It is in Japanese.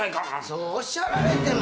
そうおっしゃられても。